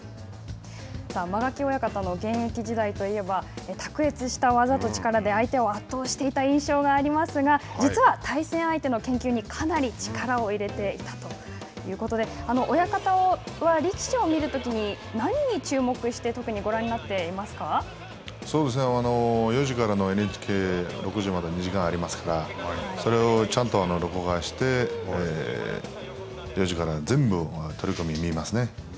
間垣親方の現役時代といえば卓越した技と力で相手を圧倒していた印象がありますが実は対戦相手の研究にかなり力を入れていたということで親方は力士を見るときに何に注目して４時からのＮＨＫ６時まで２時間ありますからそれをちゃんと録画して４時から全部取組を見ますね。